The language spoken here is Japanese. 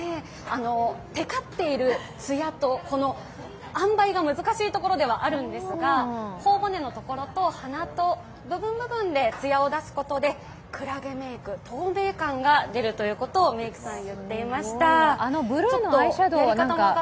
テカっているつやとあんばいが難しいところではあるんですが頬骨のところと鼻と、部分部分でつやを出すことでくらげメイク、透明感が出るということをメイクさん、言っていました。